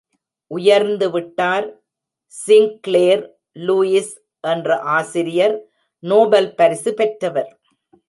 உயர்ந்து விட்டார் Sinclair Lewis என்ற ஆசிரியர் நோபல் பரிசு பெற்றவர்.